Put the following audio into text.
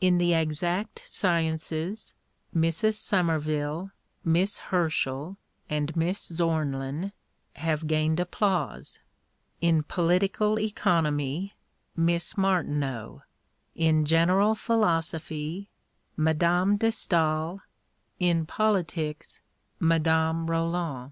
In the exact sciences, Mrs. Somerville, Miss Herschel, and Miss Zornlin, have gained applause ; in political economy, Miss Martineau ; in general philosophy, Madame de Stael ; in politics, Madame Boland.